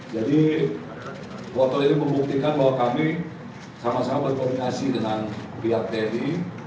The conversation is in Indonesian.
jadi waktu ini membuktikan bahwa kami sama sama berkomunikasi dengan pihak tni